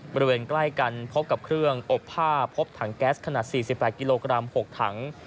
บริเวณใกล้กันพบกับเครื่องอบผ้าพบถังแก๊สขนาด๔๘กิโลกรัม๖ถัง